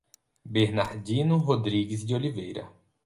Bernardino Rrodrigues de Oliveira